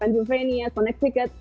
yang video video nya sedang berpengaruh